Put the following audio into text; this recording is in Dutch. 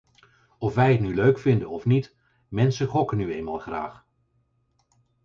Of wij het nu leuk vinden of niet, mensen gokken nu eenmaal graag.